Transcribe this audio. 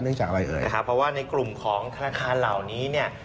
เพราะว่าในกลุ่มของธนาคารเหล่านี้